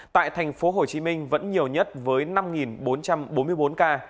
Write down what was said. tại thành phố hồ chí minh vẫn nhiều nhất với năm bốn trăm bốn mươi bốn ca